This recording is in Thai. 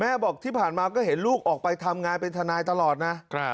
บอกที่ผ่านมาก็เห็นลูกออกไปทำงานเป็นทนายตลอดนะ